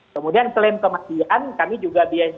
kemudian klaim kemasyian kami juga biasa